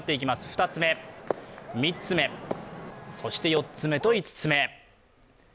２つ目、３つ目、そして４つ目と５つ目。